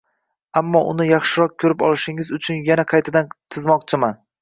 ammo uni yaxshiroq ko ‘rib olishingiz uchun yana qaytadan chizmoqchiman.